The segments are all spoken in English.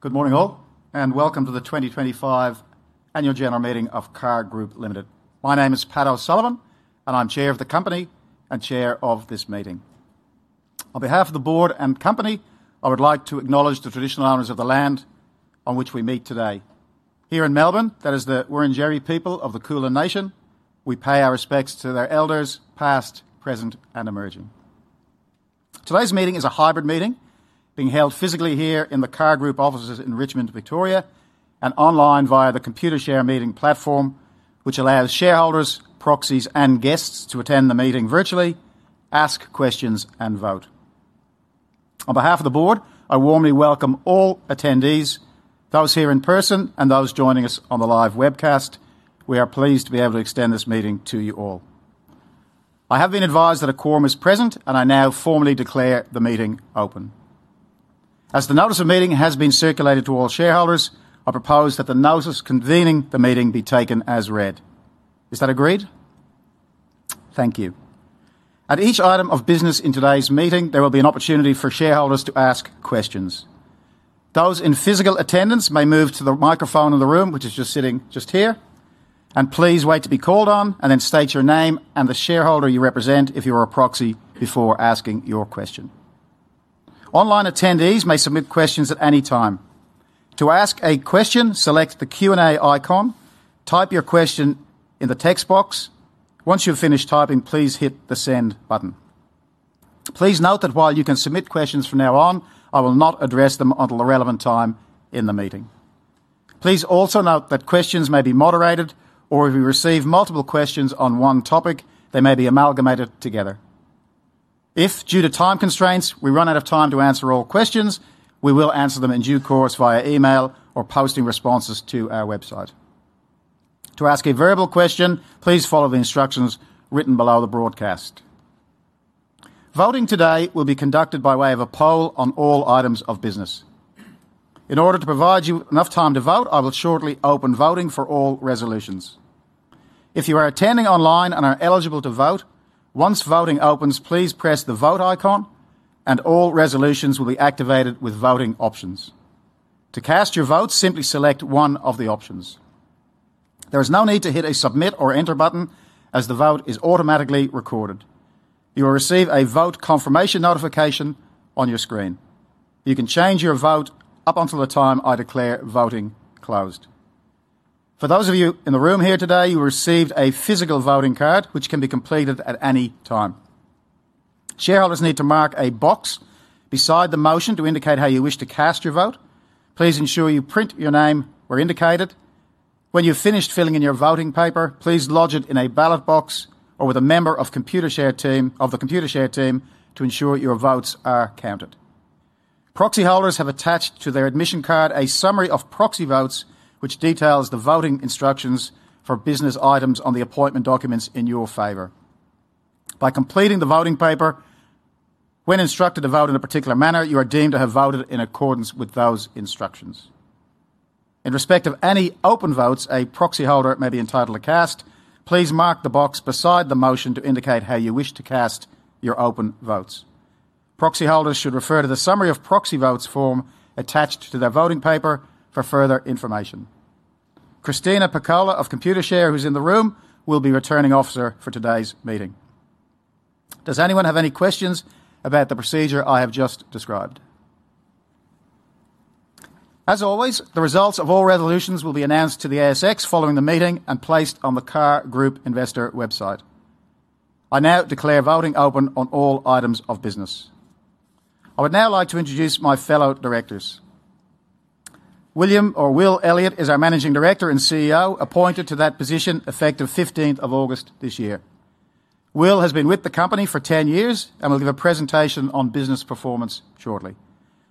Good morning all, and welcome to the 2025 Annual General Meeting of CAR Group Limited. My name is Pat O'Sullivan, and I'm Chair of the Company and Chair of this meeting. On behalf of the board and company, I would like to acknowledge the traditional owners of the land on which we meet today. Here in Melbourne, that is the Wurundjeri people of the Kulin Nation. We pay our respects to their elders, past, present, and emerging. Today's meeting is a hybrid meeting, being held physically here in the CAR Group offices in Richmond, Victoria, and online via the Computershare Meeting platform, which allows shareholders, proxies, and guests to attend the meeting virtually, ask questions, and vote. On behalf of the board, I warmly welcome all attendees, those here in person and those joining us on the live webcast. We are pleased to be able to extend this meeting to you all. I have been advised that a quorum is present, and I now formally declare the meeting open. As the notice of meeting has been circulated to all shareholders, I propose that the notice convening the meeting be taken as read. Is that agreed? Thank you. At each item of business in today's meeting, there will be an opportunity for shareholders to ask questions. Those in physical attendance may move to the microphone in the room, which is just here, and please wait to be called on, and then state your name and the shareholder you represent if you are a proxy, before asking your question. Online attendees may submit questions at any time. To ask a question, select the Q&A icon, type your question in the text box. Once you've finished typing, please hit the send button. Please note that while you can submit questions from now on, I will not address them until the relevant time in the meeting. Please also note that questions may be moderated, or if we receive multiple questions on one topic, they may be amalgamated together. If, due to time constraints, we run out of time to answer all questions, we will answer them in due course via email or by posting responses to our website. To ask a variable question, please follow the instructions written below the broadcast. Voting today will be conducted by way of a poll on all items of business. In order to provide you enough time to vote, I will shortly open voting for all resolutions. If you are attending online and are eligible to vote, once voting opens, please press the vote icon and all resolutions will be activated with voting options. To cast your vote, simply select one of the options. There is no need to hit a submit or enter button, as the vote is automatically recorded. You will receive a vote confirmation notification on your screen. You can change your vote up until the time I declare voting closed. For those of you in the room here today, you will receive a physical voting card, which can be completed at any time. Shareholders need to mark a box beside the motion, to indicate how you wish to cast your vote. Please ensure you print your name where indicated. When you've finished filling in your voting paper, please lodge it in a ballot box or with a member of the Computershare team, to ensure your votes are counted. Proxy holders have attached to their admission card a summary of proxy votes, which details the voting instructions for business items on the appointment documents in your favor. By completing the voting paper, when instructed to vote in a particular manner, you are deemed to have voted in accordance with those instructions. In respect of any open votes a proxy holder may be entitled to cast, please mark the box beside the motion, to indicate how you wish to cast your open votes. Proxy holders should refer to the summary of proxy votes form attached to their voting paper for further information. Christina Piccolo of Computershare, who's in the room, will be returning officer for today's meeting. Does anyone have any questions about the procedure I have just described? As always, the results of all resolutions will be announced to the ASX following the meeting, and placed on the CAR Group Investor website. I now declare voting open on all items of business. I would now like to introduce my fellow directors. William or Will Elliott, is our Managing Director and CEO, appointed to that position effective 15th of August this year. Will has been with the company for 10 years, and will give a presentation on business performance shortly.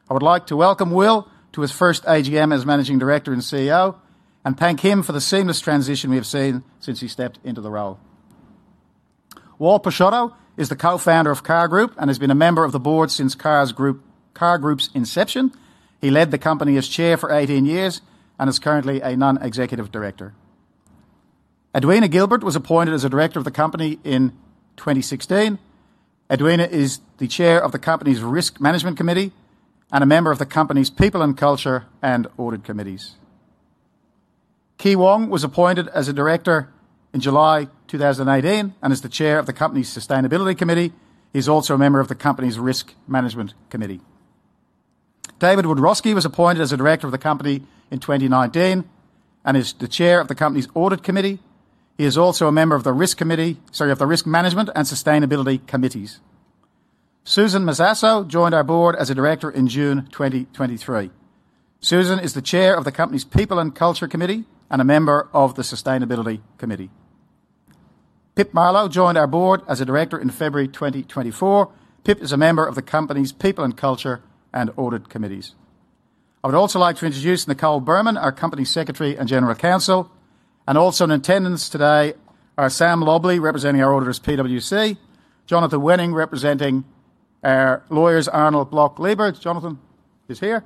I would like to welcome Will to his first AGM as Managing Director and CEO, and thank him for the seamless transition we have seen since he stepped into the role. Walter Pisciotta is the Co-founder of CAR Group, and has been a member of the board since CAR Group's inception. He led the company as Chair for 18 years, and is currently a Non-Executive Director. Edwina Gilbert was appointed as a Director of the company in 2016. Edwina is the Chair of the Company's Risk Management Committee, and a member of the Company's People and Culture and Audit Committees. Kee Wong was appointed as a Director in July 2018, and is the Chair of the Company's Sustainability Committee. He's also a member of the Company's Risk Management Committee. David Wiadrowski was appointed as a Director of the Company in 2019, and is the Chair of the Company's Audit Committee. He's also a member of the Risk Management and Sustainability Committees. Susan Massasso joined our board as a Director in June 2023. Susan is the Chair of the Company's People and Culture Committee and a member of the Sustainability Committee. Pip Marlow joined our board as a Director in February 2024. Pip is a member of the Company's People and Culture and Audit Committees. I would also like to introduce Nicole Birman, our Company Secretary and General Counsel. Also, in attendance today are Sam Lobley, representing our auditors at PwC, Jonathan Wenig, representing our lawyers, Arnold Bloch Leibler. Jonathan is here,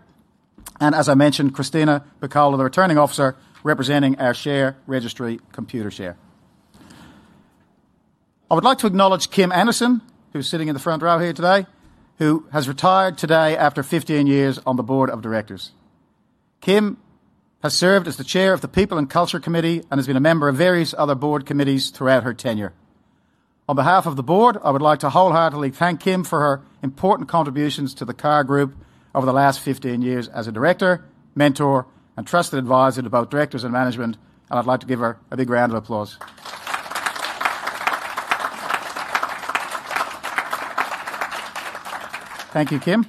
and as I mentioned, Christina Piccolo, the returning officer, representing our share registry, Computershare. I would like to acknowledge Kim Anderson, who's sitting in the front row here today, who has retired today after 15 years on the Board of Directors. Kim has served as the Chair of the People and Culture Committee, and has been a member of various other board committees throughout her tenure. On behalf of the board, I would like to wholeheartedly thank Kim for her important contributions to CAR Group over the last 15 years as a director, mentor, and a trusted advisor to both directors and management. I'd like to give her a big round of applause. Thank you, Kim.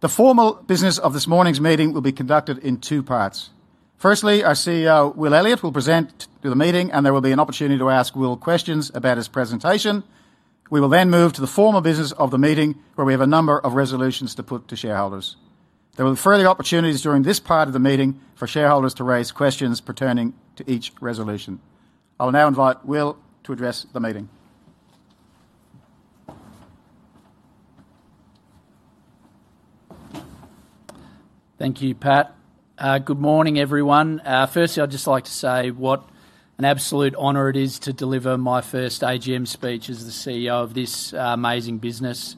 The formal business of this morning's meeting will be conducted in two parts. Firstly, our CEO, William Elliott will present to the meeting, and there will be an opportunity to ask Will questions about his presentation. We will then move to the formal business of the meeting, where we have a number of resolutions to put to shareholders. There will be further opportunities during this part of the meeting, for shareholders to raise questions pertaining to each resolution. I'll now invite Will to address the meeting. Thank you, Pat. Good morning, everyone. Firstly, I'd just like to say what an absolute honor it is to deliver my first AGM speech as the CEO of this amazing business.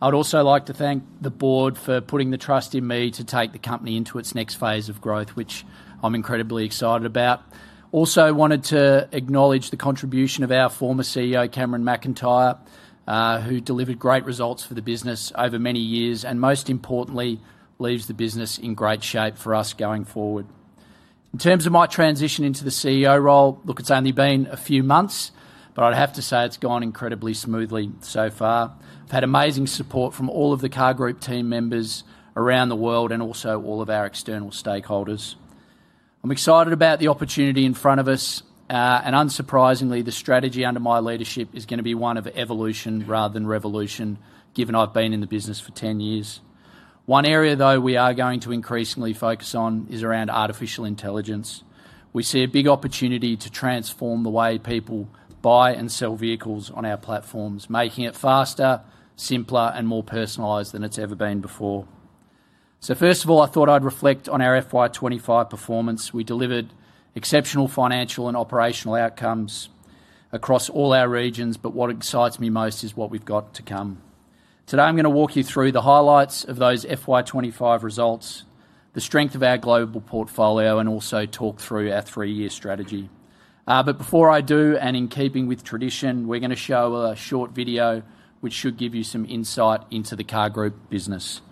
I'd also like to thank the board for putting the trust in me to take the company into its next phase of growth, which I'm incredibly excited about. Also, I wanted to acknowledge the contribution of our former CEO, Cameron McIntyre, who delivered great results for the business over many years, and most importantly, leaves the business in great shape for us going forward. In terms of my transition into the CEO role, it's only been a few months, but I'll have to say it's gone incredibly smoothly so far. I've had amazing support from all of the CAR Group team members around the world, and also all of our external stakeholders. I'm excited about the opportunity in front of us, and unsurprisingly, the strategy under my leadership is going to be one of evolution rather than revolution, given I've been in the business for 10 years. One area though we are going to increasingly focus on is around artificial intelligence. We see a big opportunity to transform the way people buy and sell vehicles on our platforms, making it faster, simpler, and more personalized than it's ever been before. First of all, I thought I'd reflect on our FY 2025 performance. We delivered exceptional financial and operational outcomes across all our regions, but what excites me most is what we've got to come. Today, I'm going to walk you through the highlights of those FY 2025 results, the strength of our global portfolio and also talk through our three-year strategy. Before I do and in keeping with tradition, we're going to show a short video which should give you some insight into the CAR Group business.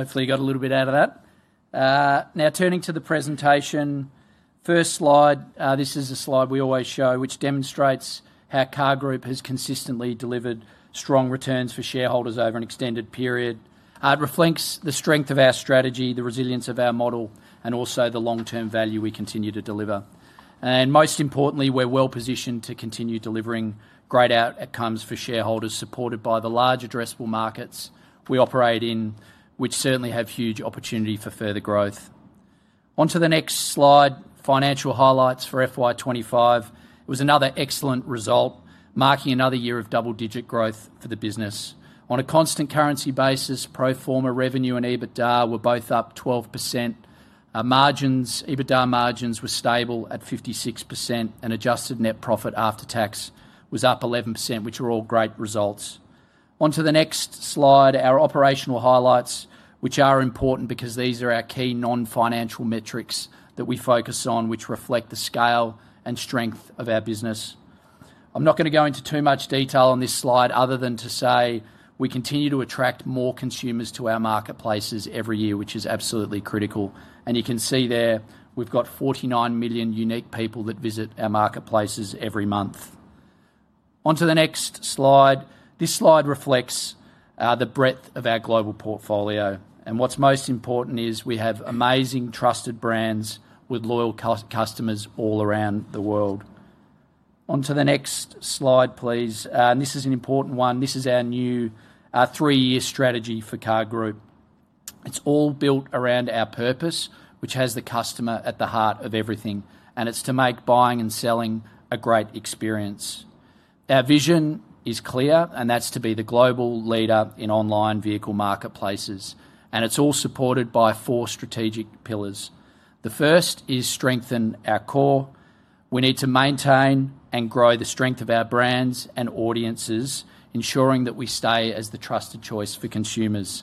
Excellent. Hopefully, you got a little bit out of that. Now, turning to the presentation. First slide, this is a slide we always show, which demonstrates how CAR Group has consistently delivered strong returns for shareholders over an extended period. It reflects the strength of our strategy, the resilience of our model and also the long-term value we continue to deliver. Most importantly, we're well-positioned to continue delivering great outcomes for shareholders, supported by the large addressable markets we operate in, which certainly have huge opportunity for further growth. Onto the next slide, financial highlights for FY 2025. It was another excellent result, marking another year of double-digit growth for the business. On a constant currency basis, pro forma revenue and EBITDA were both up 12%. EBITDA margins were stable at 56%, and adjusted net profit after tax was up 11%, which are all great results. Onto the next slide, our operational highlights, which are important because these are our key non-financial metrics that we focus on, which reflect the scale and strength of our business. I'm not going to go into too much detail on this slide, other than to say, we continue to attract more consumers to our marketplaces every year, which is absolutely critical. You can see there we've got 49 million unique people that visit our marketplaces every month. Onto the next slide, this slide reflects the breadth of our global portfolio. What's most important is, we have amazing trusted brands with loyal customers all around the world. Onto the next slide, please. This is an important one. This is our new three-year strategy for CAR Group. It's all built around our purpose, which has the customer at the heart of everything and it's to make buying and selling a great experience. Our vision is clear, and that's to be the global leader in online vehicle marketplaces. It's all supported by four strategic pillars. The first is strengthen our core. We need to maintain and grow the strength of our brands and audiences, ensuring that we stay as the trusted choice for consumers.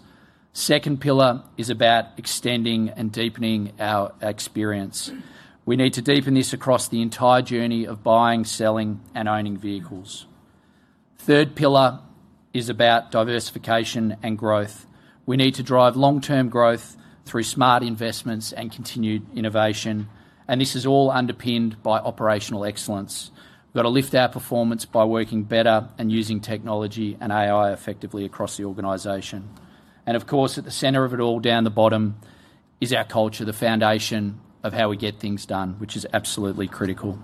The second pillar is about extending and deepening our experience. We need to deepen this across the entire journey of buying, selling, and owning vehicles. The third pillar is about diversification and growth. We need to drive long-term growth through smart investments and continued innovation. This is all underpinned by operational excellence. We've got to lift our performance by working better, and using technology and AI effectively across the organization. Of course, at the center of it all, down the bottom, is our culture, the foundation of how we get things done, which is absolutely critical.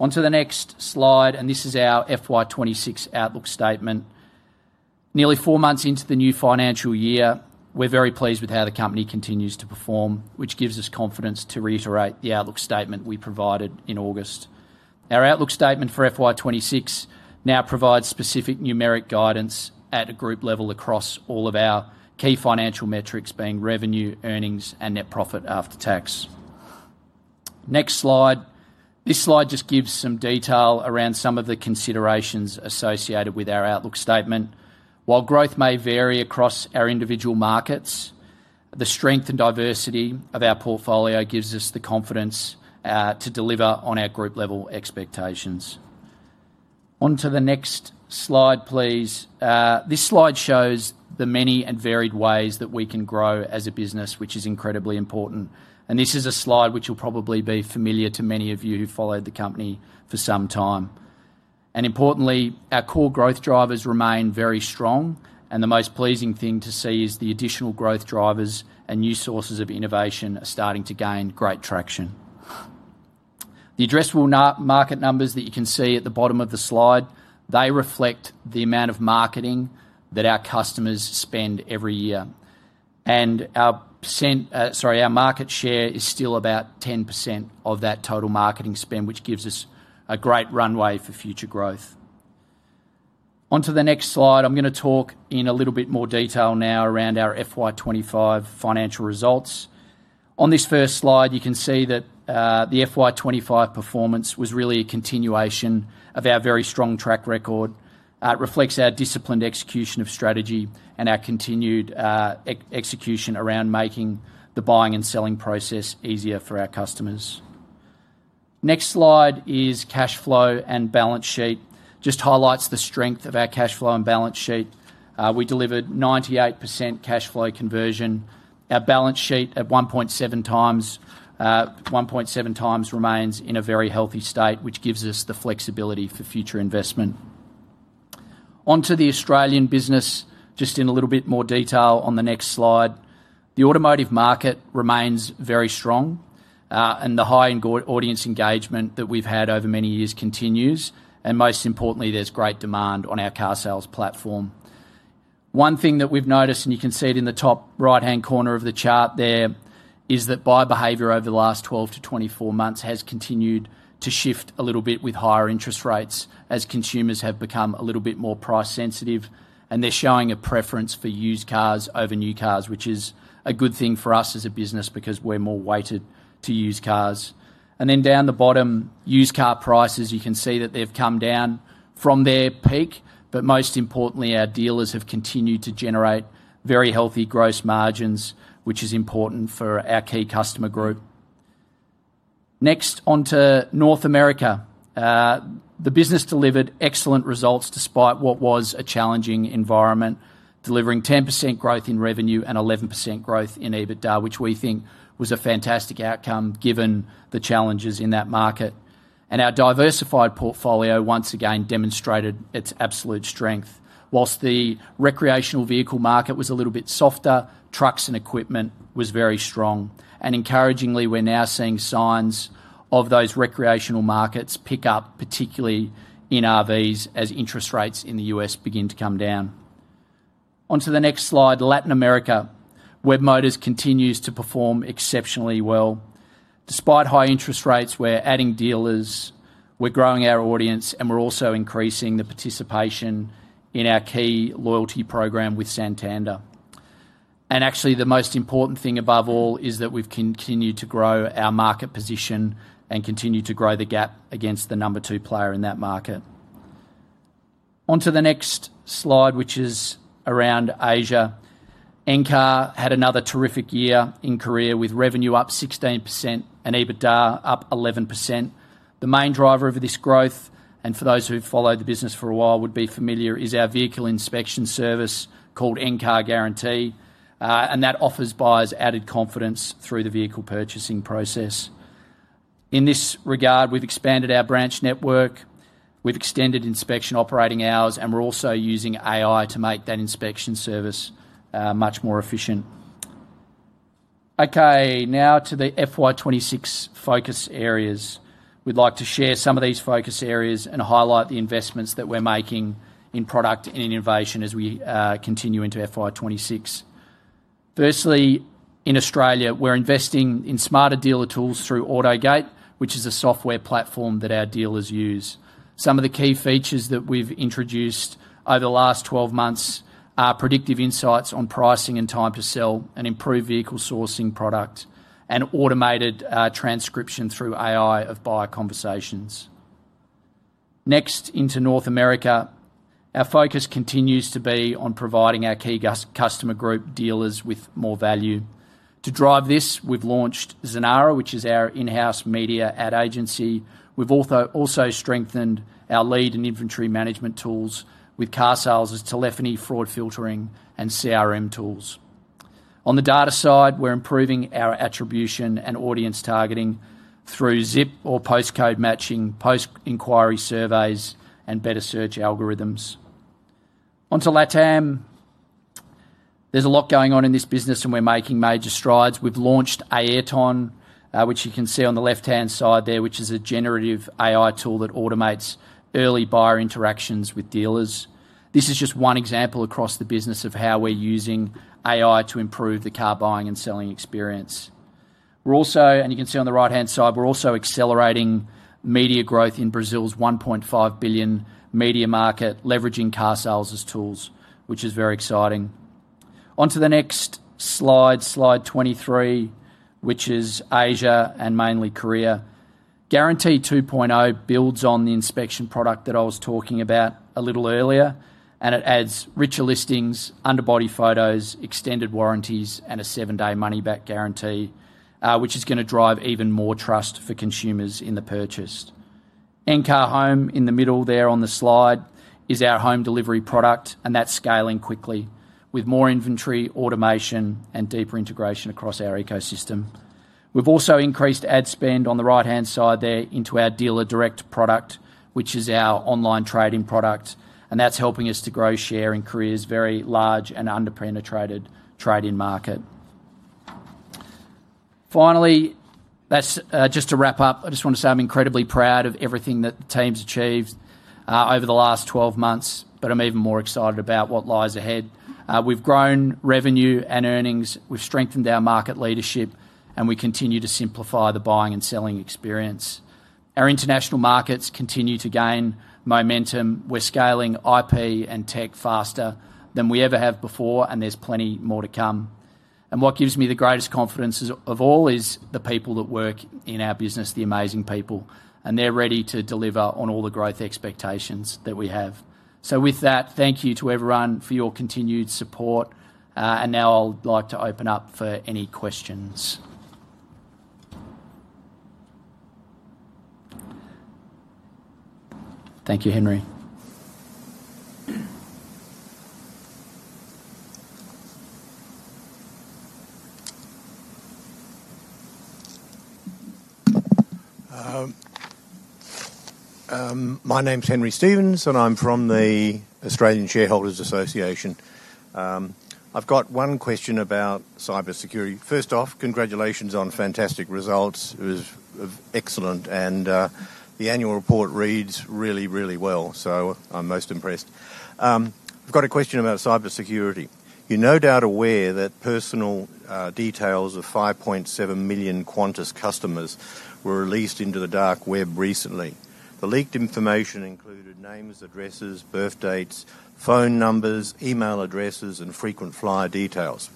Onto the next slide, and this is our FY 2026 outlook statement. Nearly four months into the new financial year, we're very pleased with how the company continues to perform, which gives us confidence to reiterate the outlook statement we provided in August. Our outlook statement for FY 2026 now provides specific numeric guidance at a group level across all of our key financial metrics, being revenue, earnings, and net profit after tax. Next slide. This slide just gives some detail around some of the considerations associated with our outlook statement. While growth may vary across our individual markets, the strength and diversity of our portfolio gives us the confidence to deliver on our group-level expectations. Onto the next slide, please. This slide shows the many and varied ways that we can grow as a business, which is incredibly important. This is a slide which will probably be familiar to many of you who followed the company for some time. Importantly, our core growth drivers remain very strong. The most pleasing thing to see is the additional growth drivers, and new sources of innovation are starting to gain great traction. The addressable market numbers that you can see at the bottom of the slide reflect the amount of marketing that our customers spend every year. Our market share is still about 10% of that total marketing spend, which gives us a great runway for future growth. Onto the next slide, I'm going to talk in a little bit more detail now around our FY 2025 financial results. On this first slide, you can see that the FY 2025 performance was really a continuation of our very strong track record. It reflects our disciplined execution of strategy, and our continued execution around making the buying and selling process easier for our customers. Next slide is cash flow and balance sheet. Just highlights the strength of our cash flow and balance sheet. We delivered 98% cash flow conversion. Our balance sheet at 1.7x remains in a very healthy state, which gives us the flexibility for future investment. Onto the Australian business, just in a little bit more detail on the next slide. The automotive market remains very strong. The high audience engagement that we've had over many years continues. Most importantly, there's great demand on our carsales platform. One thing that we've noticed, and you can see it in the top right-hand corner of the chart there, is that buy behavior over the last 12-24 months has continued to shift a little bit with higher interest rates, as consumers have become a little bit more price-sensitive. They're showing a preference for used cars over new cars, which is a good thing for us as a business because we're more weighted to used cars. Down at the bottom, used car prices, you can see that they've come down from their peak. Most importantly, our dealers have continued to generate very healthy gross margins, which is important for our key customer group. Next, onto North America. The business delivered excellent results despite what was a challenging environment, delivering 10% growth in revenue and 11% growth in EBITDA, which we think was a fantastic outcome given the challenges in that market. Our diversified portfolio, once again demonstrated its absolute strength. Whilst the recreational vehicle market was a little bit softer, trucks and equipment was very strong. Encouragingly, we're now seeing signs of those recreational markets pick up, particularly in RVs, as interest rates in the U.S. begin to come down. Onto the next slide, Latin America. Webmotors continues to perform exceptionally well. Despite high interest rates, we're adding dealers, we're growing our audience and we're also increasing the participation in our key loyalty program with Santander. Actually, the most important thing above all is that we've continued to grow our market position, and continue to grow the gap against the number two player in that market. Onto the next slide, which is around Asia. Encar had another terrific year in Korea, with revenue up 16% and EBITDA up 11%. The main driver of this growth, and for those who've followed the business for a while would be familiar, is our vehicle inspection service called Encar Guarantee. That offers buyers added confidence through the vehicle purchasing process. In this regard, we've expanded our branch network, we've extended inspection operating hours, and we're also using AI to make that inspection service much more efficient. Now to the FY 2026 focus areas. We'd like to share some of these focus areas, and highlight the investments that we're making in product and innovation as we continue into FY 2026. Firstly, in Australia, we're investing in smarter dealer tools through AutoGate, which is a software platform that our dealers use. Some of the key features that we've introduced over the last 12 months are predictive insights on pricing and time to sell, and improved vehicle sourcing product and automated transcription through AI of buyer conversations. Next, into North America, our focus continues to be on providing our key customer group dealers with more value. To drive this, we've launched [Zunaira], which is our in-house media ad agency. We've also strengthened our lead and inventory management tools with carsales' telephony, fraud filtering, and CRM tools. On the data side, we're improving our attribution and audience targeting through ZIP or postcode matching, post-inquiry surveys, and better search algorithms. Onto LATAM, there's a lot going on in this business, and we're making major strides. We've launched [Ayrton], which you can see on the left-hand side there, which is a generative AI tool that automates early buyer interactions with dealers. This is just one example across the business, of how we're using AI to improve the car buying and selling experience. You can see on the right-hand side, we're also accelerating media growth in Brazil's $1.5 billion media market, leveraging carsales' tools, which is very exciting. Onto the next slide, slide 23, which is Asia and mainly Korea. Guarantee 2.0 builds on the inspection product that I was talking about a little earlier, and it adds richer listings, underbody photos, extended warranties, and a seven-day money-back guarantee, which is going to drive even more trust for consumers in the purchase. Encar Home, in the middle there on the slide, is our home delivery product, and that's scaling quickly with more inventory, automation, and deeper integration across our ecosystem. We've also increased ad spend on the right-hand side there into our dealer direct product, which is our online trading product. That's helping us to grow share in Korea's very large and under-penetrated trading market. Finally, just to wrap up, I want to say I'm incredibly proud of everything that the team's achieved over the last 12 months, but I'm even more excited about what lies ahead. We've grown revenue and earnings, we've strengthened our market leadership and we continue to simplify the buying and selling experience. Our international markets continue to gain momentum. We're scaling IP and tech faster than we ever have before, and there's plenty more to come. What gives me the greatest confidence of all is the people that work in our business, the amazing people. They're ready to deliver on all the growth expectations that we have. With that, thank you to everyone for your continued support. Now I'd like to open up for any questions. Thank you, Henry. My name's Henry Stevens, and I'm from the Australian Shareholders Association. I've got one question about cybersecurity. First off, congratulations on fantastic results. It was excellent. The annual report reads really, really well, so I'm most impressed. I've got a question about cybersecurity. You're no doubt aware that personal details of 5.7 million Qantas customers were released into the dark web recently. The leaked information included names, addresses, birth dates, phone numbers, email addresses, and frequent flyer details.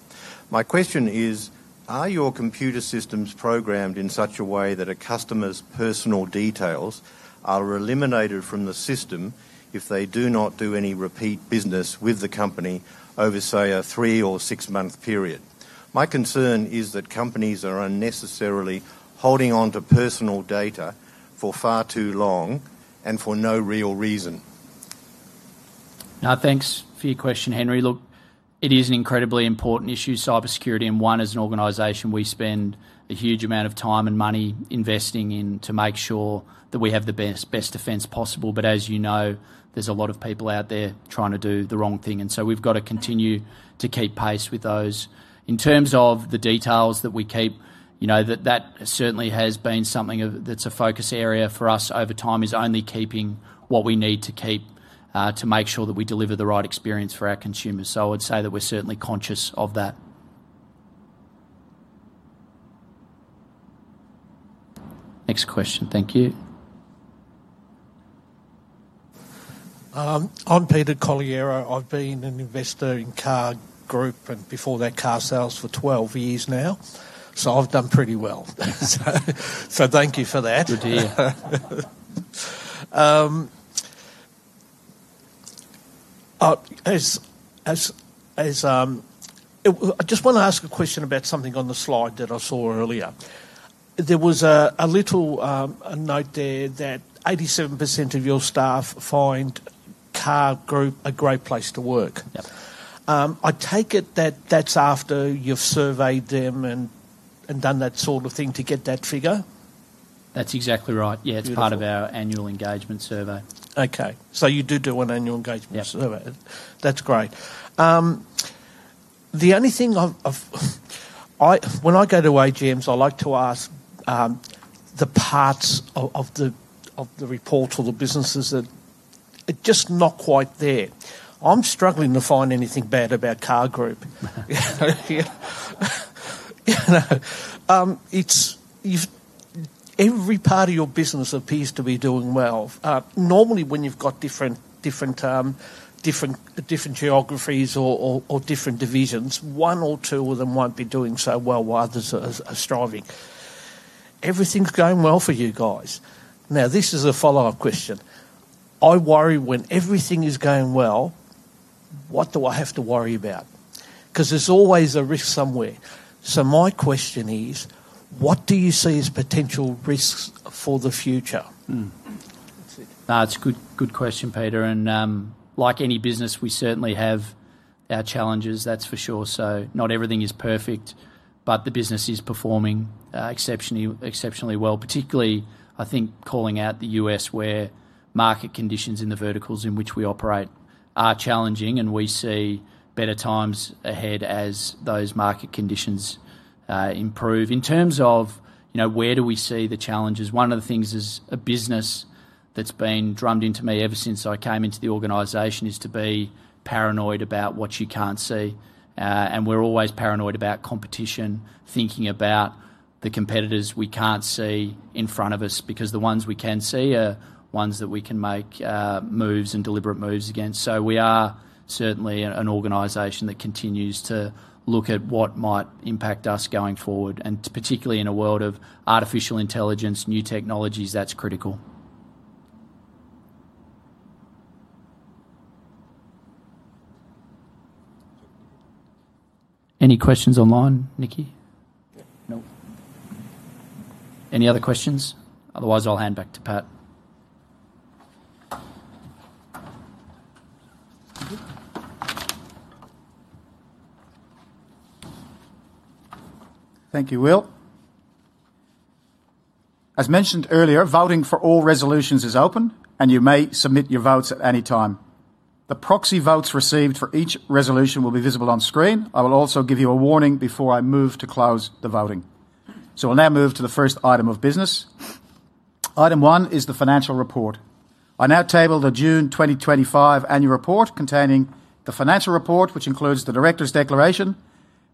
My question is, are your computer systems programmed in such a way that a customer's personal details are eliminated from the system if they do not do any repeat business with the company over say, a three or six-month period? My concern is that companies are unnecessarily holding onto personal data for far too long and for no real reason. Thanks for your question, Henry. Look, it is an incredibly important issue, cybersecurity and one as an organization, we spend a huge amount of time and money investing in to make sure that we have the best defense possible. As you know, there's a lot of people out there trying to do the wrong thing. We've got to continue to keep pace with those. In terms of the details that we keep, that certainly has been something that's a focus area for us over time, is only keeping what we need to keep to make sure that we deliver the right experience for our consumers. I would say that we're certainly conscious of that. Next question. Thank you. I'm Peter Colliero. I've been an investor in CAR Group, and before that, carsales for 12 years now, so I've done pretty well. Thank you for that. Good to hear. I just want to ask a question about something on the slide that I saw earlier. There was a little note there that 87% of your staff find CAR Group a great place to work. I take it that that's after you've surveyed them and done that sort of thing to get that figure? That's exactly right. It's part of our annual engagement survey. Okay, so you do do an annual engagement survey. Yes. That's great. When I go to AGMs, I like to ask the parts of the report or the businesses that are just not quite there. I'm struggling to find anything bad about CAR Group. Every part of your business appears to be doing well. Normally, when you've got different geographies or different divisions, one or two of them won't be doing so well while others are thriving. Everything's going well for you guys. This is a follow-up question. I worry when everything is going well. What do I have to worry about? There's always a risk somewhere. My question is, what do you see as potential risks for the future? Let's see. That's a good question, Peter. Like any business, we certainly have our challenges, that's for sure. Not everything is perfect, but the business is performing exceptionally well, particularly I think calling out the U.S., where market conditions in the verticals in which we operate are challenging. We see better times ahead as those market conditions improve. In terms of, where do we see the challenges? One of the things as a business that's been drummed into me ever since I came into the organization, is to be paranoid about what you can't see. We're always paranoid about competition, thinking about the competitors we can't see in front of us because the ones we can see are ones that we can make moves and deliberate moves against. We are certainly an organization that continues to look at what might impact us going forward. Particularly in a world of artificial intelligence, new technologies, that's critical. Any questions online, Nikki? Any other questions? Otherwise, I'll hand back to Pat. Thank you, Will. As mentioned earlier, voting for all resolutions is open, and you may submit your votes at any time. The proxy votes received for each resolution will be visible on screen. I will also give you a warning before I move to close the voting. I'll now move to the first item of business. Item one is the financial report. I'll now table the June 2025 annual report containing the financial report, which includes the director's declaration,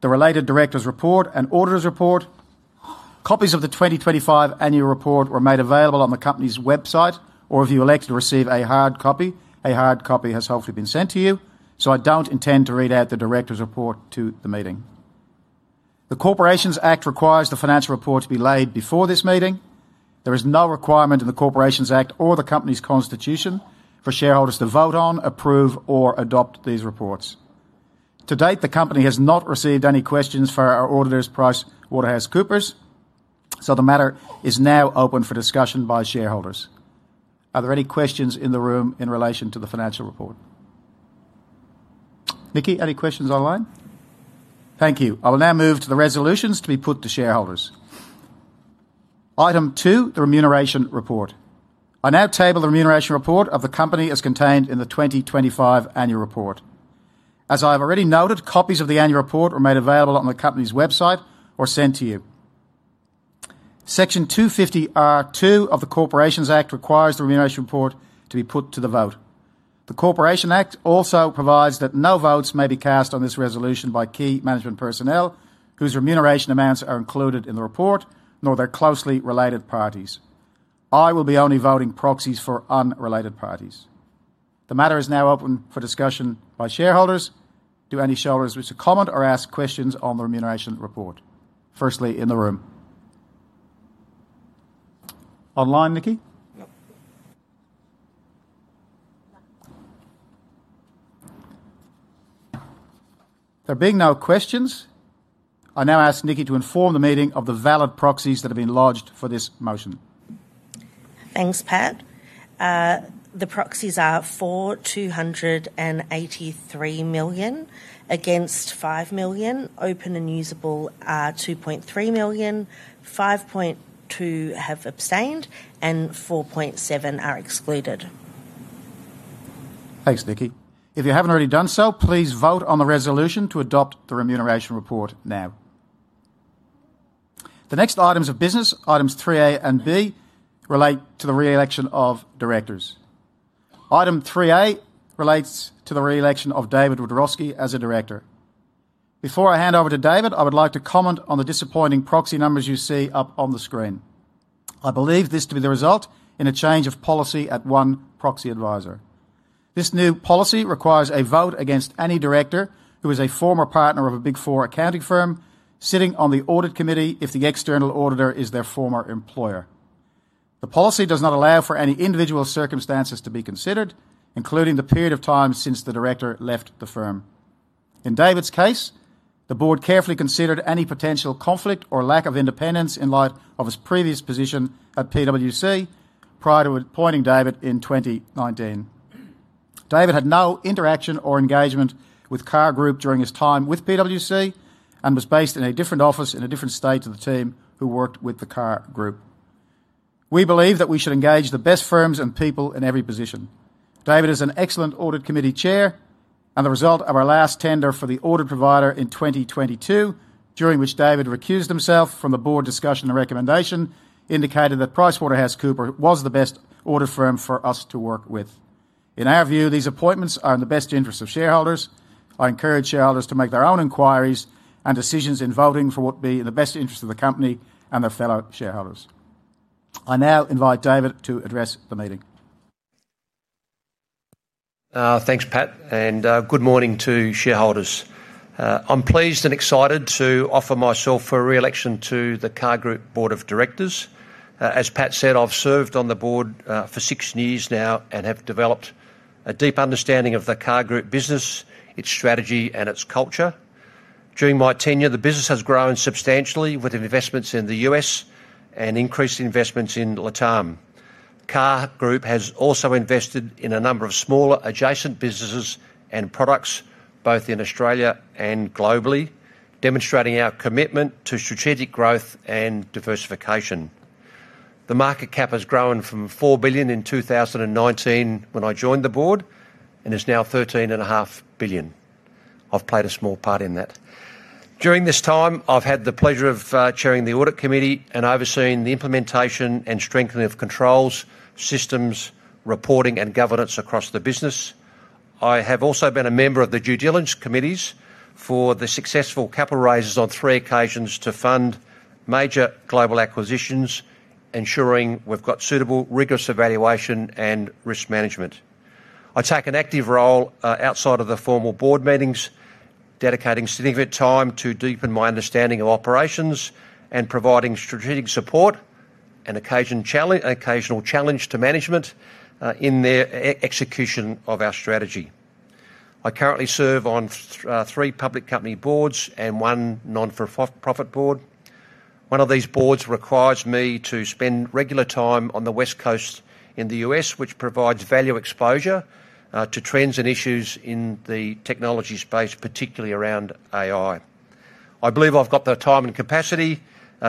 the related director's report and auditor's report. Copies of the 2025 annual report were made available on the company's website, or if you elect to receive a hard copy, a hard copy has hopefully been sent to you. I don't intend to read out the director's report to the meeting. The Corporations Act requires the financial report to be laid before this meeting. There is no requirement in the Corporations Act or the company's constitution for shareholders to vote on, approve, or adopt these reports. To date, the company has not received any questions for our auditors, PricewaterhouseCoopers. The matter is now open for discussion by shareholders. Are there any questions in the room in relation to the financial report? Nikki, any questions online? Thank you. I will now move to the resolutions to be put to shareholders. Item two, the remuneration report. I now table the remuneration report of the company as contained in the 2025 annual report. As I have already noted, copies of the annual report were made available on the company's website or sent to you. Section 252 of the Corporations Act requires the remuneration report to be put to the vote. The Corporations Act also provides that no votes may be cast on this resolution by key management personnel, whose remuneration amounts are included in the report nor their closely related parties. I will be only voting proxies for unrelated parties. The matter is now open for discussion by shareholders. Do any shareholders wish to comment or ask questions on the remuneration report? Firstly, in the room. Online, Nikki? There being no questions, I now ask Nikki to inform the meeting of the valid proxies that have been lodged for this motion. Thanks, Pat. The proxies are for 283 million, against 5 million. Open and usable are 2.3 million. 5.2 million have abstained, and 4.7 million are excluded. Thanks, Nikki. If you haven't already done so, please vote on the resolution to adopt the remuneration report now. The next items of business, items 3A and B, relate to the re-election of directors. Item 3A relates to the re-election of David Wiadrowski as a director. Before I hand over to David, I would like to comment on the disappointing proxy numbers you see up on the screen. I believe this to be the result in a change of policy at one proxy advisor. This new policy requires a vote against any director who is a former partner of a Big Four accounting firm, sitting on the audit committee if the external auditor is their former employer. The policy does not allow for any individual circumstances to be considered, including the period of time since the director left the firm. In David's case, the board carefully considered any potential conflict or lack of independence in light of his previous position at PwC, prior to appointing David in 2019. David had no interaction or engagement with CAR Group during his time with PwC, and was based in a different office in a different state to the team who worked with the CAR Group. We believe that we should engage the best firms and people in every position. David is an excellent Audit Committee Chair and the result of our last tender for the audit provider in 2022, during which David recused himself from the board discussion and recommendation, indicated that PricewaterhouseCoopers was the best audit firm for us to work with. In our view, these appointments are in the best interest of shareholders. I encourage shareholders to make their own inquiries, and decisions in voting for what would be in the best interest of the company and their fellow shareholders. I now invite David to address the meeting. Thanks, Pat. Good morning to shareholders. I'm pleased and excited to offer myself for re-election to the CAR Group Board of Directors. As Pat said, I've served on the board for six years now, and have developed a deep understanding of the CAR Group business, its strategy and its culture. During my tenure, the business has grown substantially with investments in the U.S., and increased investments in LATAM. CAR Group has also invested in a number of smaller adjacent businesses and products, both in Australia and globally, demonstrating our commitment to strategic growth and diversification. The market cap has grown from $4 billion in 2019 when I joined the board, and is now $13.5 billion. I've played a small part in that. During this time, I've had the pleasure of chairing the Audit Committee and overseeing the implementation and strengthening of controls, systems, reporting, and governance across the business. I have also been a member of the due diligence committees for the successful capital raises on three occasions to fund major global acquisitions, ensuring we've got suitable, rigorous evaluation and risk management. I take an active role outside of the formal board meetings, dedicating significant time to deepen my understanding of operations and providing strategic support, and occasional challenge to management in the execution of our strategy. I currently serve on three public company boards and one non-profit board. One of these boards requires me to spend regular time on the West Coast in the U.S., which provides valuable exposure to trends and issues in the technology space, particularly around AI. I believe I've got the time and capacity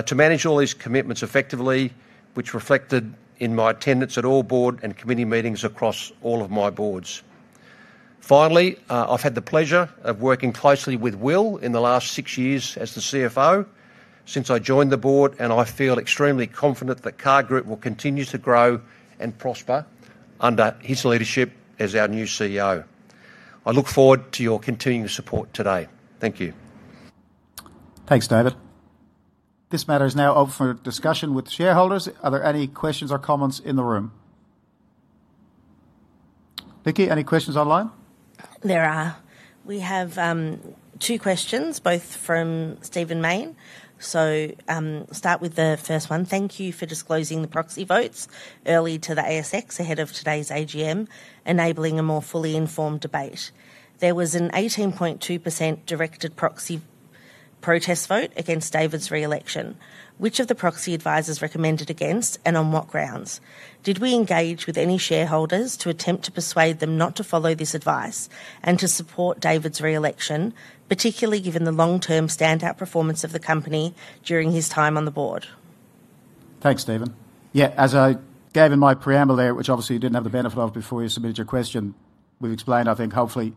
to manage all these commitments effectively, which is reflected in my attendance at all board and committee meetings across all of my boards. Finally, I've had the pleasure of working closely with Will in the last six years as the CFO since I joined the board, and I feel extremely confident that CAR Group will continue to grow and prosper under his leadership as our new CEO. I look forward to your continuing support today. Thank you. Thanks, David. This matter is now open for discussion with shareholders. Are there any questions or comments in the room? Nikki, any questions online? There are. We have two questions, both from Stephen Main. I'll start with the first one. Thank you for disclosing the proxy votes early to the ASX ahead of today's AGM, enabling a more fully informed debate. There was an 18.2% directed proxy protest vote against David's re-election. Which of the proxy advisors recommended against, and on what grounds? Did we engage with any shareholders to attempt to persuade them not to follow this advice and to support David's re-election, particularly given the long-term standout performance of the company during his time on the board? Thanks, Stephen. Yeah, as I gave in my preamble there, which obviously you didn't have the benefit of before you submitted your question. We've explained I think hopefully,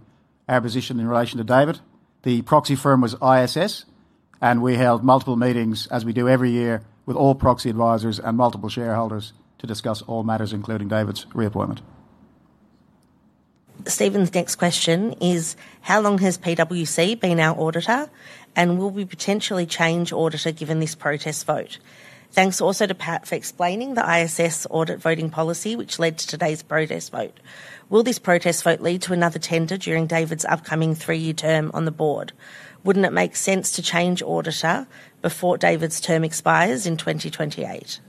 our position in relation to David. The proxy firm was ISS, and we held multiple meetings as we do every year, with all proxy advisors and multiple shareholders to discuss all matters, including David's reappointment. Stephen, the next question is, how long has PwC been our auditor, and will we potentially change auditor given this protest vote? Thanks also to Pat for explaining the ISS audit voting policy, which led to today's protest vote. Will this protest vote lead to another tender during David's upcoming three-year term on the board? Wouldn't it make sense to change auditor before David's term expires in 2028?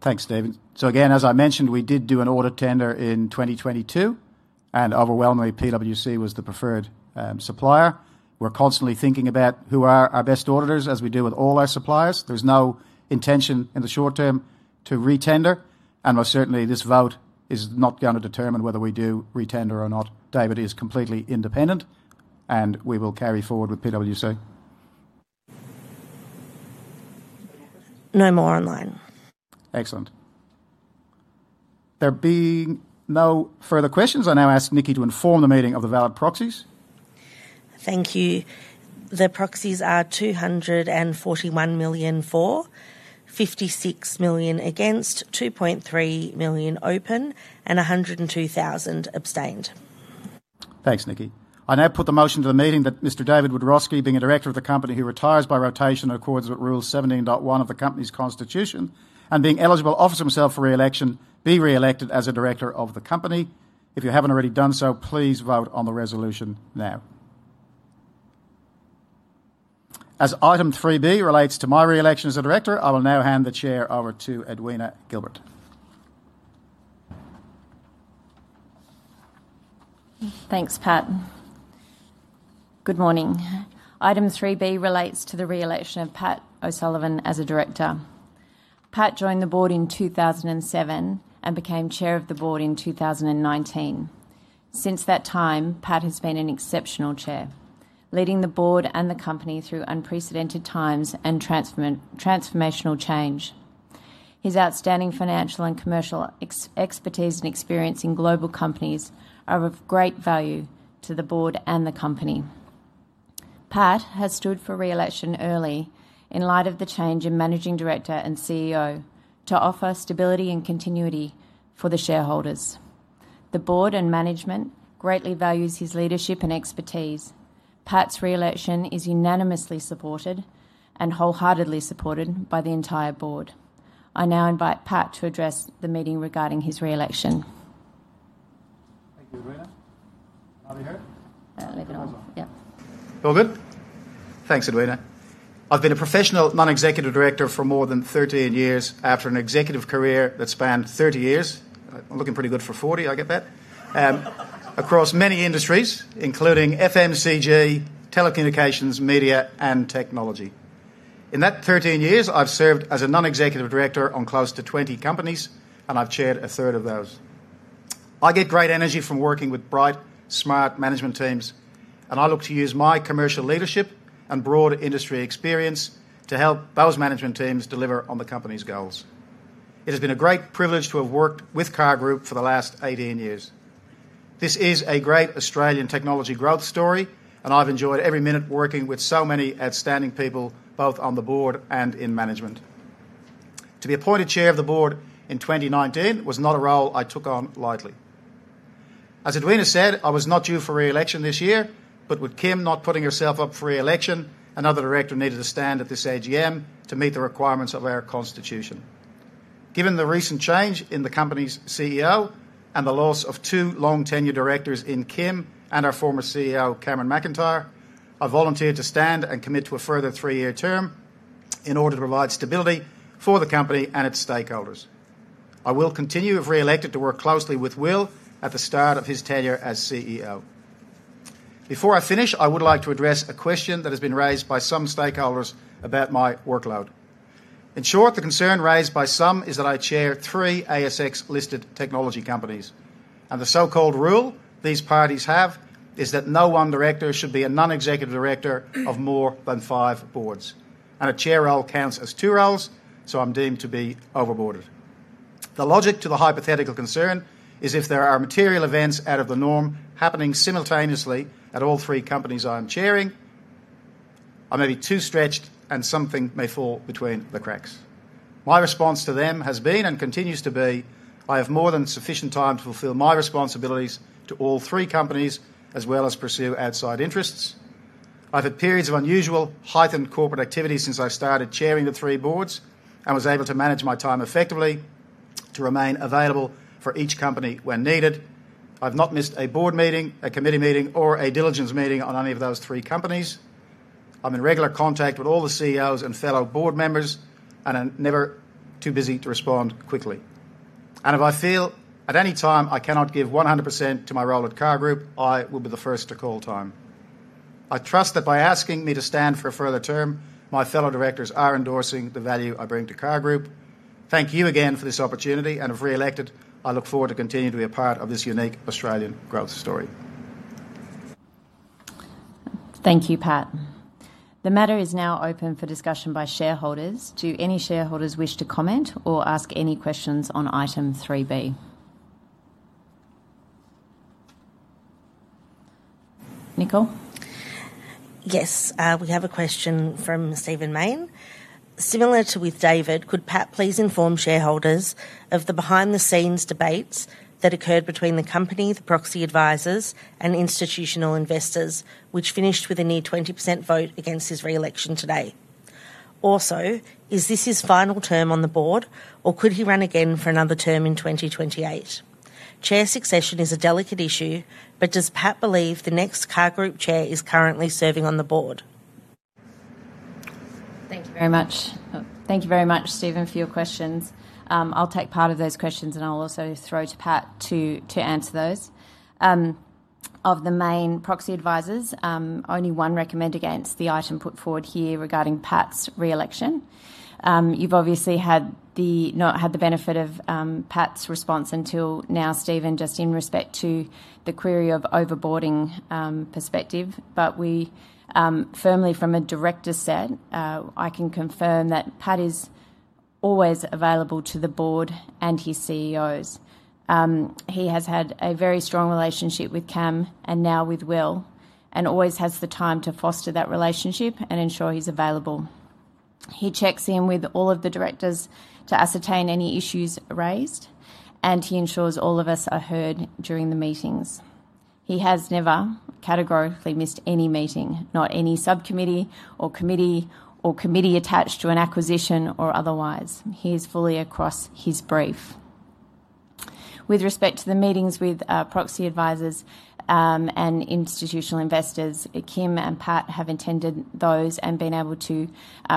Thanks, David. Again, as I mentioned, we did do an audit tender in 2022, and overwhelmingly, PwC was the preferred supplier. We're constantly thinking about who are our best auditors? As we do with all our suppliers. There's no intention in the short term to re-tender, and certainly, this vote is not going to determine whether we do re-tender or not. David is completely independent, and we will carry forward with PwC. No more online. Excellent. There being no further questions, I now ask Nikki to inform the meeting of the valid proxies. Thank you. The proxies are 241 million for, 56 million against, 2.3 million open, and 102,000 abstained. Thanks, Nikki. I now put the motion to the meeting that Mr. David Wiadrowski, being a director of the company, who retires by rotation according to Rule 17.1 of the company's constitution and being eligible to offer himself for re-election, be re-elected as a director of the company. If you haven't already done so, please vote on the resolution now. As item 3B relates to my re-election as a director, I will now hand the chair over to Edwina Gilbert. Thanks, Pat. Good morning. Item 3B relates to the re-election of Pat O'Sullivan as a director. Pat joined the board in 2007 and became Chair of the board in 2019. Since that time, Pat has been an exceptional Chair, leading the board and the company through unprecedented times and transformational change. His outstanding financial and commercial expertise and experience in global companies are of great value to the board and the company. Pat has stood for re-election early in light of the change in Managing Director and CEO, to offer stability and continuity for the shareholders. The board and management greatly value his leadership and expertise. Pat's re-election is unanimously supported and wholeheartedly supported by the entire board. I now invite Pat to address the meeting regarding his re-election. Thank you, Edwina. Are we here? Yeah. All good? Thanks, Edwina. I've been a professional non-executive director for more than 13 years, after an executive career that spanned 30 years. I'm looking pretty good for 40, I get that. Across many industries, including FMCG, telecommunications, media, and technology. In that 13 years, I've served as a non-executive director on close to 20 companies, and I've chaired a third of those. I get great energy from working with bright, smart management teams, and I look to use my commercial leadership and broad industry experience to help those management teams deliver on the company's goals. It has been a great privilege to have worked with CAR Group for the last 18 years. This is a great Australian technology growth story, and I've enjoyed every minute working with so many outstanding people, both on the board and in management. To be appointed Chair of the Board in 2019 was not a role I took on lightly. As Edwina said, I was not due for re-election this year, but with Kim not putting herself up for re-election, another director needed to stand at this AGM to meet the requirements of our constitution. Given the recent change in the company's CEO and the loss of two long-tenured directors in Kim and our former CEO, Cameron McIntyre, I volunteered to stand and commit to a further three-year term, in order to provide stability for the company and its stakeholders. I will continue, if re-elected, to work closely with Will, at the start of his tenure as CEO. Before I finish, I would like to address a question that has been raised by some stakeholders about my workload. In short, the concern raised by some is that I chair three ASX-listed technology companies, and the so-called rule these parties have is that no one director should be a non-executive director of more than five boards. A chair role counts as two roles, so I'm deemed to be overboarded. The logic to the hypothetical concern is if there are material events out of the norm happening simultaneously at all three companies I'm chairing, I may be too stretched and something may fall between the cracks. My response to them has been and continues to be, I have more than sufficient time to fulfill my responsibilities to all three companies as well as pursue outside interests. I've had periods of unusual, heightened corporate activity since I started chairing the three boards and was able to manage my time effectively to remain available for each company when needed. I've not missed a board meeting, a committee meeting, or a diligence meeting on any of those three companies. I'm in regular contact with all the CEOs and fellow board members, and I'm never too busy to respond quickly. If I feel at any time I cannot give 100% to my role at CAR Group, I will be the first to call time. I trust that by asking me to stand for a further term, my fellow directors are endorsing the value I bring to CAR Group. Thank you again for this opportunity, and if re-elected, I look forward to continuing to be a part of this unique Australian growth story. Thank you, Pat. The matter is now open for discussion by shareholders. Do any shareholders wish to comment or ask any questions on item 3B? Nicole? Yes, we have a question from Stephen Main. Similar to with David, could Pat please inform shareholders of the behind-the-scenes debates that occurred between the company, the proxy advisors, and institutional investors, which finished with a near 20% vote against his re-election today? Also, is this his final term on the board, or could he run again for another term in 2028? Chair succession is a delicate issue, but does Pat believe the next CAR Group chair is currently serving on the board? Thank you very much. Thank you very much, Stephen for your questions. I'll take part of those questions, and I'll also throw to Pat to answer those. Of the main proxy advisors, only one recommend against the item put forward here regarding Pat's re-election. You've obviously had the benefit of Pat's response until now, Stephen, just in respect to the query of overboarding perspective, but firmly from a director's set, I can confirm that Pat is always available to the board and his CEOs. He has had a very strong relationship with Cam, and now with Will and always has the time to foster that relationship and ensure he's available. He checks in with all of the directors to ascertain any issues raised, and he ensures all of us are heard during the meetings. He has never categorically missed any meeting, not any subcommittee or committee, or committee attached to an acquisition or otherwise. He is fully across his brief. With respect to the meetings with proxy advisors and institutional investors, Kim and Pat have attended those and been able to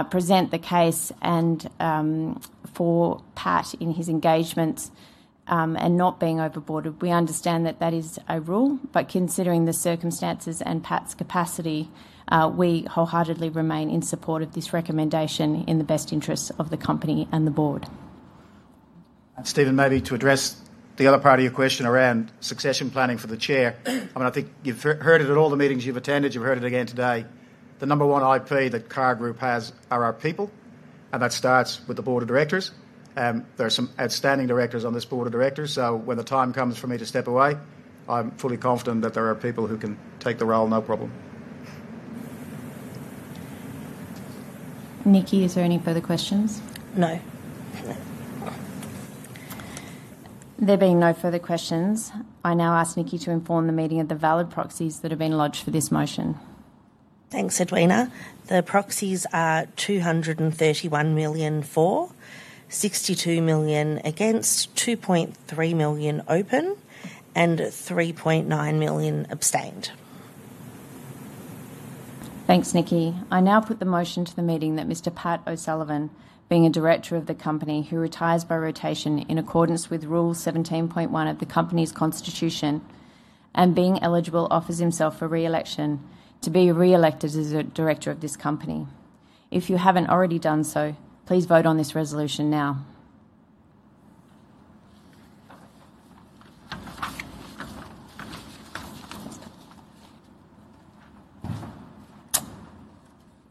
present the case. For Pat in his engagements and not being overboarded, we understand that that is a rule, but considering the circumstances and Pat's capacity, we wholeheartedly remain in support of this recommendation in the best interests of the company and the board. Stephen, maybe to address the other part of your question around succession planning for the chair, I mean, I think you've heard it at all the meetings you've attended. You've heard it again today, the number one IP that CAR Group has are our people and that starts with the Board of Directors. There are some outstanding directors on this Board of Directors, so when the time comes for me to step away, I'm fully confident that there are people who can take the role, no problem. Nikki, is there any further questions? No. No. There being no further questions, I now ask Nikki to inform the meeting of the valid proxies that have been lodged for this motion. Thanks, Edwina. The proxies are 231 million for, 62 million against, 2.3 million open, and 3.9 million abstained. Thanks, Nikki. I now put the motion to the meeting that Mr. Pat O'Sullivan, being a director of the company, who retires by rotation in accordance with Rule 17.1 of the company's constitution and being eligible, offers himself for re-election, to be re-elected as a director of this company. If you haven't already done so, please vote on this resolution now.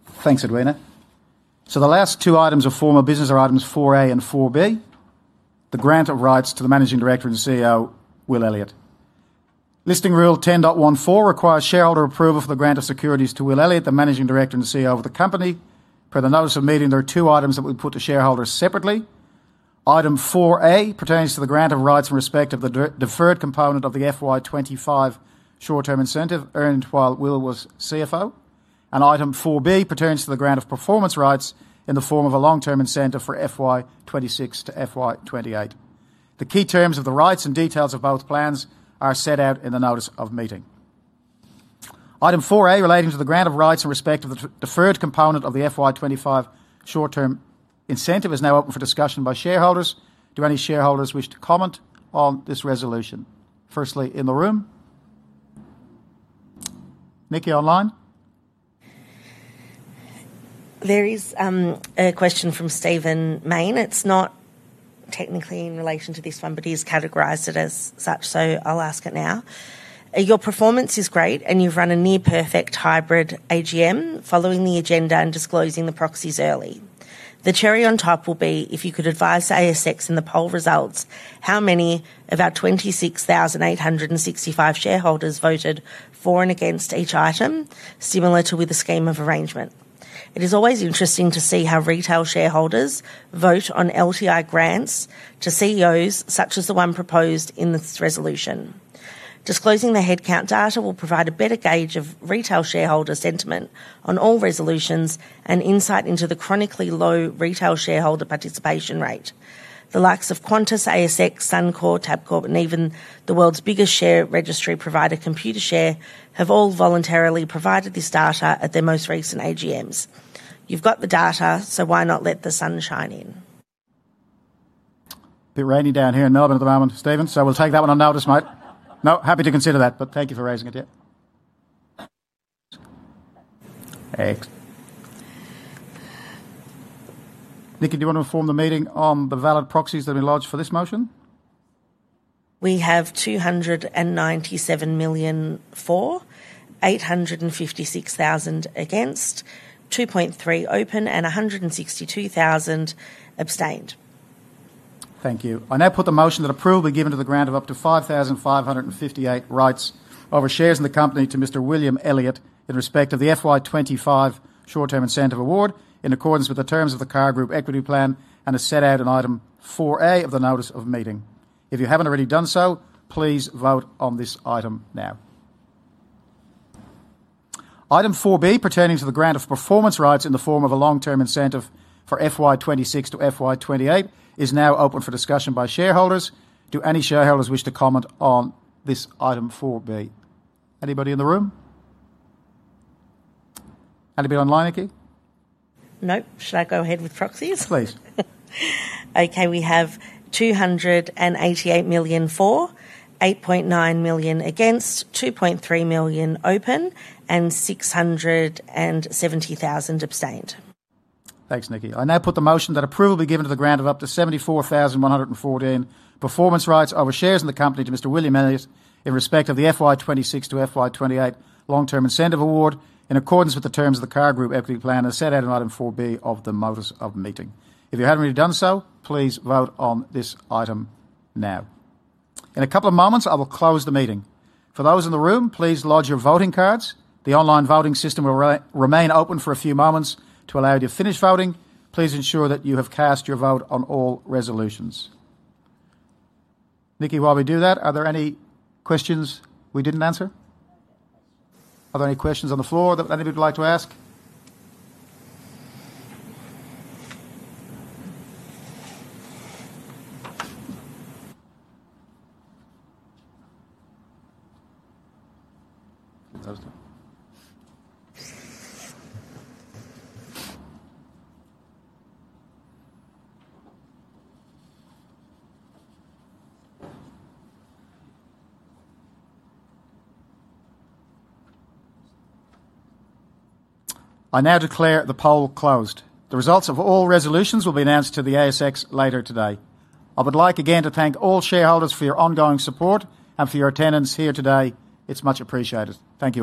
Thanks, Edwina. The last two items of formal business are items 4A and 4B, the grant of rights to the Managing Director and CEO, William Elliott. Listing Rule 10.14 requires shareholder approval for the grant of securities to William Elliott, the Managing Director and CEO of the company. Per the notice of meeting, there are two items that we put to shareholders separately. Item 4A pertains to the grant of rights in respect of the deferred component of the FY 2025 short-term incentive earned while William was CFO, and item 4B pertains to the grant of performance rights in the form of a long-term incentive for FY 2026-FY 2028. The key terms of the rights and details of both plans are set out in the notice of meeting. Item 4A relating to the grant of rights in respect of the deferred component of the FY 2025 short-term incentive is now open for discussion by shareholders. Do any shareholders wish to comment on this resolution? Firstly, in the room. Nikki, online? There is a question from Stephen Main. It's not technically in relation to this one, but he's categorized it as such, so I'll ask it now. Your performance is great, and you've run a near-perfect hybrid AGM, following the agenda and disclosing the proxies early. The cherry on top will be, if you could advise ASX in the poll results, how many of our 26,865 shareholders voted for and against each item, similar to with the scheme of arrangement. It is always interesting to see how retail shareholders vote on LTI grants to CEOs, such as the one proposed in this resolution. Disclosing the headcount data will provide a better gauge of retail shareholder sentiment on all resolutions, and insight into the chronically low retail shareholder participation rate. The likes of Qantas, ASX, Suncorp, Tabcorp, and even the world's biggest share registry provider, Computershare, have all voluntarily provided this data at their most recent AGMs. You've got the data, so why not let the sunshine in? A bit rainy down here in Melbourne at the moment, Stephen, so we'll take that one on notice, mate. No, happy to consider that, but thank you for raising it. Nikki, do you want to inform the meeting on the valid proxies that have been lodged for this motion? We have 297 million for, 856,000 against, 2.3 million open, and 162,000 abstained. Thank you. I now put the motion that approval be given to the grant of up to 5,558 rights over shares in the company to Mr. William Elliott, in respect of the FY 2025 short-term incentive award, in accordance with the terms of the CAR Group equity plan and as set out in item 4A of the notice of meeting. If you haven't already done so, please vote on this item now. Item 4B, pertaining to the grant of performance rights in the form of a long-term incentive for FY 2026-FY2028, is now open for discussion by shareholders. Do any shareholders wish to comment on this item 4B? Anybody in the room? Anybody online, Nikki? No. Shall I go ahead with proxies? Please. Okay, we have 288 million for, 8.9 million against, 2.3 million open, and 670,000 abstained. Thanks, Nikki. I now put the motion that approval be given to the grant of up to 74,114 performance rights over shares in the company to Mr. William Elliott, in respect of the FY 2026 to FY 2028 long-term incentive award, in accordance with the terms of the CAR Group equity plan and as set out in item 4B of the notice of meeting. If you haven't already done so, please vote on this item now. In a couple of moments, I will close the meeting. For those in the room, please lodge your voting cards. The online voting system will remain open for a few moments to allow you to finish voting. Please ensure that you have cast your vote on all resolutions. Nikki, while we do that, are there any questions we didn't answer? Are there any questions on the floor that anybody would like to ask? I now declare the poll closed. The results of all resolutions will be announced to the ASX later today. I would like again to thank all shareholders for your ongoing support and for your attendance here today. It's much appreciated. Thank you all.